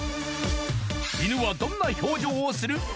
犬はどんな表情をする？